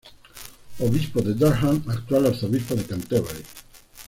Obispo de Durham y actual arzobispo de Canterbury.